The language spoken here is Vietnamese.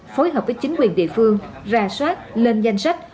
phối hợp với chính quyền địa phương ra soát lên danh sách